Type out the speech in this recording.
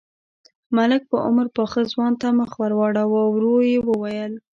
ملک په عمر پاخه ځوان ته مخ ور واړاوه، ورو يې وويل: